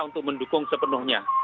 untuk mendukung sepenuhnya